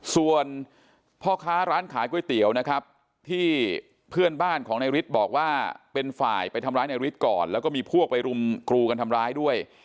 ส่วนพ่อค้าร้านขายก๋วยเตี๋ยวนะครับที่เพื่อนบ้านของนายฤทธิ์บอกว่าเป็นฝ่ายไปทำร้ายในฤทธิ์ก่อนแล้วก็มีพวกไปรุมกรูกันทำร้ายด้วย